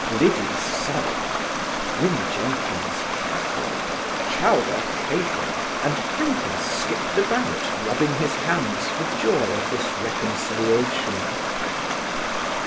Liddy sobbed, Win. Jenkins cackled, Chowder capered, and Clinker skipped about, rubbing his hands for joy of this reconciliation.